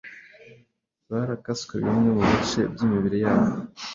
barakaswe bimwe mu bice by’imibiri yabo!